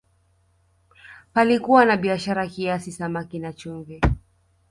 Palikuwa na biashara kiasi samaki na chumvi